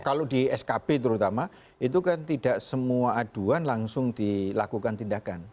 kalau di skb terutama itu kan tidak semua aduan langsung dilakukan tindakan